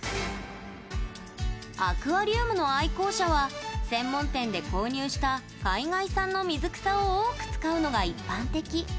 アクアリウムの愛好者は専門店で購入した海外産の水草を多く使うのが一般的。